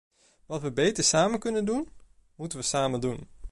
Wat we beter samen kunnen doen, moeten we samen doen.